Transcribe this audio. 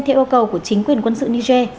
theo yêu cầu của chính quyền quân sự niger